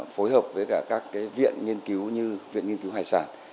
phối hợp với cả các viện nghiên cứu như viện nghiên cứu hải sản